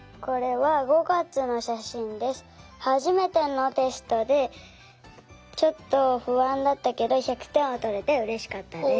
はじめてのテストでちょっとふあんだったけど１００てんをとれてうれしかったです。